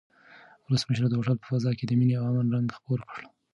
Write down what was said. ولسمشر د هوټل په فضا کې د مینې او امن رنګ خپور کړ.